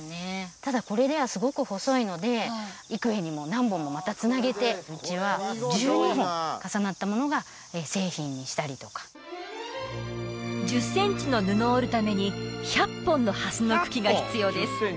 ただこれではすごく細いので幾重にも何本もまたつなげてうちは１２本重なったものが製品にしたりとか１０センチの布を織るために１００本の蓮の茎が必要です